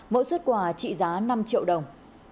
mỗi xuất quà trị giá năm triệu đồng